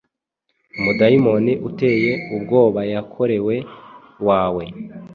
Umudayimoni uteye ubwobayakorewe wawe